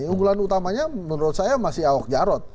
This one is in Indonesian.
unggulan utamanya menurut saya masih ahok jarot